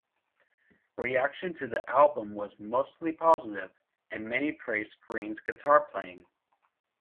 Reaction to the album was mostly positive, and many praised Green's guitar playing.